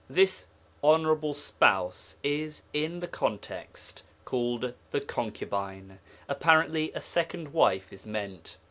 "' This 'honourable spouse' is, in the context, called 'the concubine' apparently a second wife is meant.